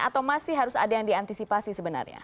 atau masih harus ada yang diantisipasi sebenarnya